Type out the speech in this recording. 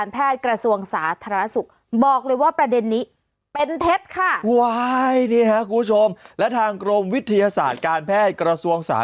ผู้บริโภคเขาก็บอกว่า